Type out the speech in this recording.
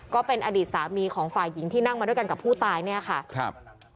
ก็เป็นอดีตสามีของฝ่ายหญิงที่นั่งมาด้วยกันกับผู้ตายเนี่ยค่ะครับ